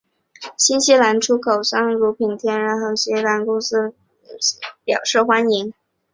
新西兰出口商如乳品公司恒天然和新西兰海产业议会等对协定表示欢迎。